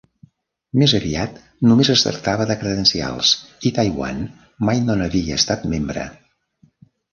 Més aviat només es tractava de credencials i Taiwan mai no n'havia estat membre.